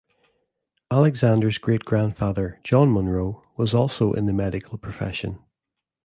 Alexander's great-grandfather, John Munro, was also in the medical profession.